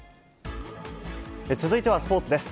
続いてはスポーツです。